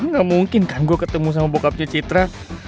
gak mungkin kan gue ketemu sama bokapnya citra